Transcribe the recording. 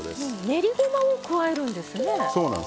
練りごまを加えるんですね。